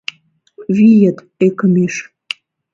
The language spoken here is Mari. Вийыт — ӧкымеш.